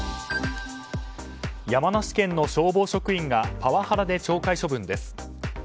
山梨県の消防職員がパワハラで懲戒処分です。